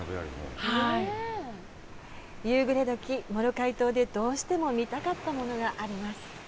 夕暮れどき、モロカイ島でどうしても見たかったものがあります。